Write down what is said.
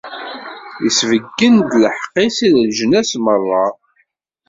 Isbeggen-d lḥeqq-is i leǧnas merra.